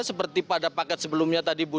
seperti pada paket sebelumnya tadi bu